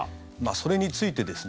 それについてですね